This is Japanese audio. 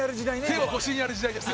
手を腰にやる時代です。